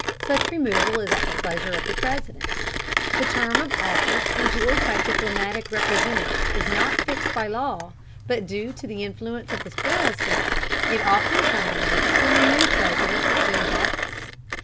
Such removal is at the pleasure of the President. The term of office enjoyed by diplomatic representatives is not fixed by law, but due to the influence of the spoils system, it often terminates when a new President assumes office.